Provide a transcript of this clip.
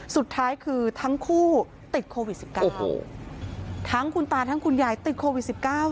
สุดท้ายคือทั้งคู่ติดโควิดสิบเก้าทั้งคุณตาทั้งคุณยายติดโควิดสิบเก้า